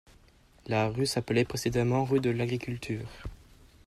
La rue s'appelait précédemment rue de l'Agriculture.